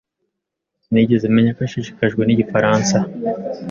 Sinigeze menya ko ashishikajwe nigifaransa.